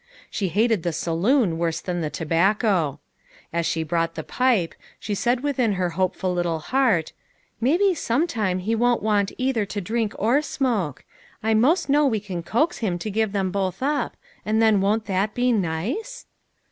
She hated the saloon worse than the tobacco. As she brought the pipe, she said within her hope 136 LITTLE FISHERS: AND THEIR NETS. ful little heart :" Maybe sometime he won't, want either to drink or smoke. I most know we can coax him to give them both up ; and then won't that be nice